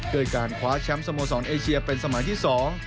โดยการคว้าแชมป์สมสรรเป็นข้องหนึ่ง